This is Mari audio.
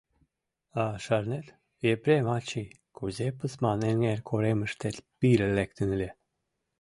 А шарнет, Епрем ачый, кузе Пысман эҥер коремыштет пире лектын ыле?..